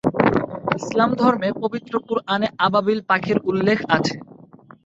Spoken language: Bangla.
ইসলাম ধর্মে পবিত্র কুরআনে আবাবিল পাখির উল্লেখ আছে।